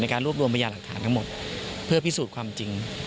การรวบรวมพยาหลักฐานทั้งหมดเพื่อพิสูจน์ความจริง